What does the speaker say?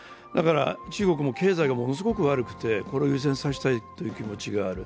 中国も経済がものすごく悪くてこれを優先したいという気持ちもある。